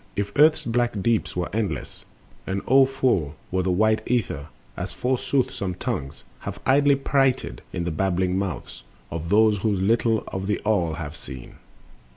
39. If Earth's black deeps were endless, and o'er full Were the white Ether, as forsooth some tongues Have idly prated in the babbling mouths Of those who little of the All have seen